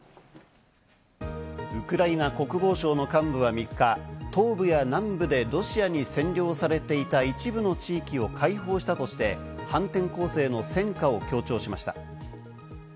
ウクライナ国防省の幹部は３日、東部や南部でロシアに占領されていた一部の地域を解放したとして、反転攻勢の戦果を強調しました。